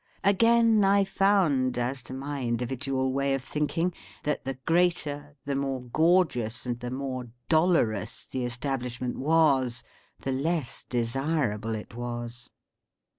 Again I found, as to my individual way of thinking, that the greater, the more gorgeous, and the more dollarous the establishment was, the less desirable it was.